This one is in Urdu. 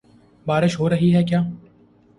بارش ہو رہی ہے کیا؟